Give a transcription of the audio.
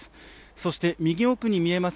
そして右奥に見えます